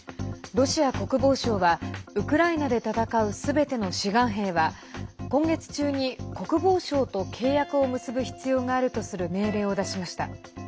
ロシア国防省はウクライナで戦うすべての志願兵は今月中に国防省と契約を結ぶ必要があるとする命令を出しました。